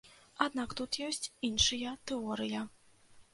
Аднак тут ёсць іншыя тэорыя.